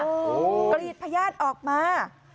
กรีดพญาติออกมา